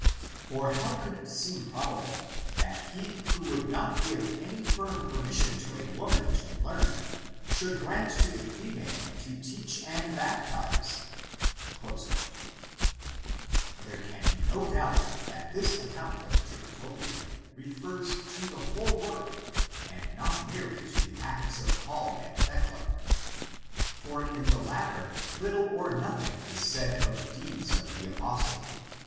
For how could it seem probable that he who would not give any firm permission to a woman to learn should grant to a female to teach and baptize?" There can be no doubt that this account of Tertullian refers to the whole work and not merely to the Acts of Paul and Thecla. For in the latter little or nothing is said of deeds of the apostle.